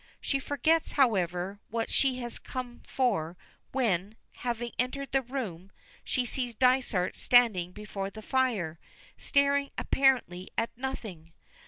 She forgets, however, what she has come for when, having entered the room, she sees Dysart standing before the fire, staring apparently at nothing.